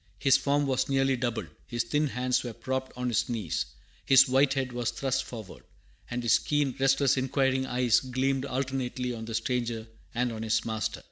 His form was nearly double, his thin hands were propped on his knees, his white head was thrust forward, and his keen, restless, inquiring eyes gleamed alternately on the stranger and on his master.